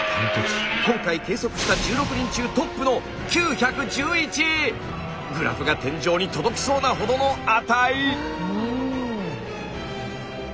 今回計測した１６人中トップのグラフが天井に届きそうなほどの値！